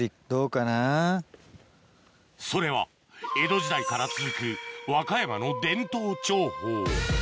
それは江戸時代から続く和歌山の伝統釣法